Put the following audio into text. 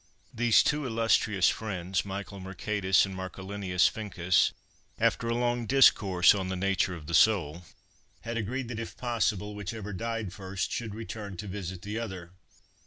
These two illustrious friends, Michael Mercatus and Marcellinus Ficinus, after a long discourse on the nature of the soul, had agreed that, if possible, whichever died first should return to visit the other.